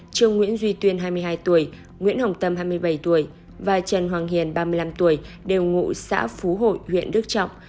trương nguyễn duy tuyên hai mươi hai tuổi nguyễn hồng tâm hai mươi bảy tuổi và trần hoàng hiền ba mươi năm tuổi đều ngụ xã phú hội huyện đức trọng